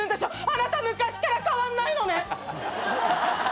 あなた昔から変わんないのね！